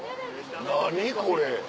何これ。